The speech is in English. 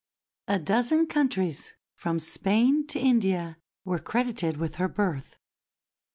A dozen countries, from Spain to India, were credited with her birth.